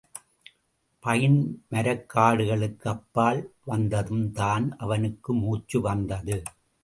Pine மரக்காடுகளுக்கு அப்பால் வந்ததும்தான் அவனுக்கு முச்சு வந்தது.